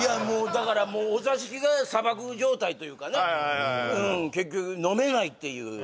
もうだからもうお座敷が砂漠状態というかねうん結局飲めないっていう